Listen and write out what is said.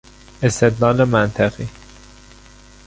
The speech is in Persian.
استدلال منطقی